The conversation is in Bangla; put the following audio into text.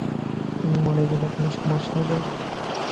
উনি মরে গেলে কোনো সমস্যা হবে?